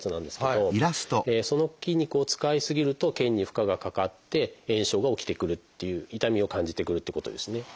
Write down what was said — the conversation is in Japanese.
その筋肉を使い過ぎると腱に負荷がかかって炎症が起きてくるっていう痛みを感じてくるってことですね。